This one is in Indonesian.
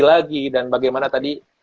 lagi dan bagaimana tadi